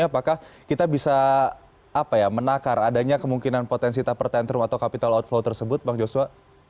apakah kita bisa menakar adanya kemungkinan potensi tuper tantrum atau capital outflow tersebut bang joshua